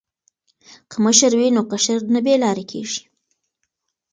که مشر وي نو کشر نه بې لارې کیږي.